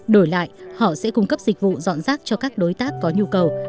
đổi lại họ sẽ cung cấp dịch vụ dọn rác cho các đối tác có nhu cầu